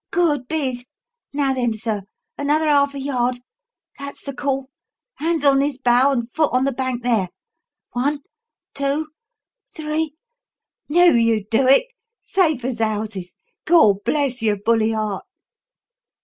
Good biz! Now then, sir, another 'arf a yard. That's the call! Hands on this bough and foot on the bank there. One, two, three knew you'd do it! Safe as houses, Gawd bless yer bully heart!"